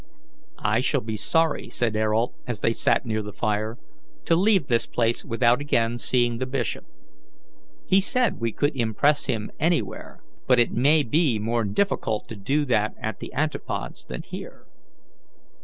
"I shall be sorry," said Ayrault, as they sat near their fire, "to leave this place without again seeing the bishop. He said we could impress him anywhere, but it may be more difficult to do that at the antipodes than here."